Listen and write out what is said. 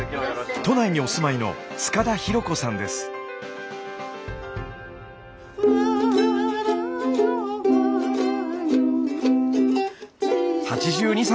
都内にお住まいの８２歳。